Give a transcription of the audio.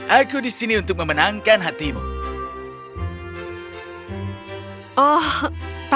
raja di sini memenangkan who buildl a goal